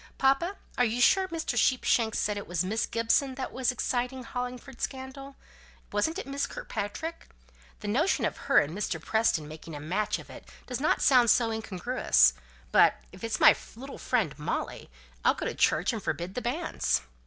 Papa, are you sure Mr. Sheepshanks said it was Miss Gibson that was exciting Hollingford scandal? Wasn't it Miss Kirkpatrick? The notion of her and Mr. Preston making a match of it doesn't sound so incongruous; but if it's my little friend Molly, I'll go to church and forbid the banns."